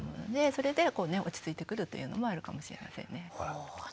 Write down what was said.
それで落ち着いてくるというのもあるかもしれませんね。